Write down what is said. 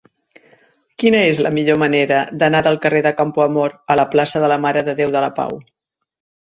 Quina és la millor manera d'anar del carrer de Campoamor a la plaça de la Mare de Déu de la Pau?